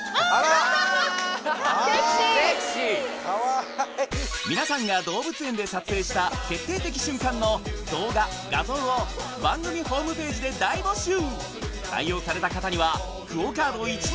かわいい皆さんが動物園で撮影した決定的瞬間の動画画像を番組ホームページで大募集